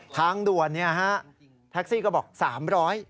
ทางด่วนเนี่ยฮะแท็กซี่ก็บอก๓๐๐บาท